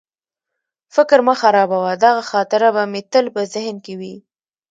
فکر مه خرابوه، دغه خاطره به مې تل په ذهن کې وي.